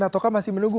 ataukah masih menunggu